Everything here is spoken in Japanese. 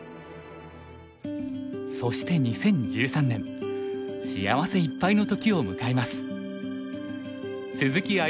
そして２０１３年幸せいっぱいの時を迎えます。